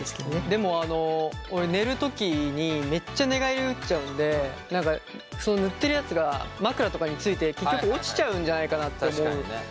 でも俺寝る時にめっちゃ寝返り打っちゃうんで塗ってるやつが枕とかについて結局落ちちゃうんじゃないかなって思うんですよ。